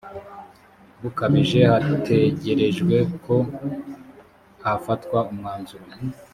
bukabije hategerejwe ko hafatwa umwanzuro